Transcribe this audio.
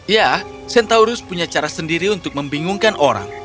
ya centaurus punya cara sendiri untuk membingungkan orang